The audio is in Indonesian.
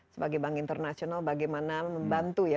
sebagai bank internasional bagaimana membantu ya